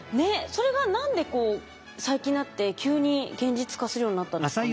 それが何で最近になって急に現実化するようになったんですかね。